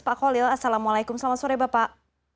pak khalil assalamualaikum selamat sore bapak